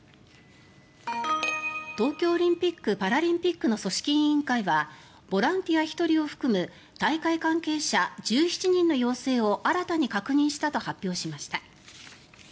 東京オリンピック・パラリンピックの組織委員会はボランティア１人を含む大会関係者１７人の陽性を新たに確認したと発表しました。